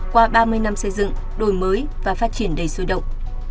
qua ba mươi năm xây dựng đổi mới và phát triển đầy sôi động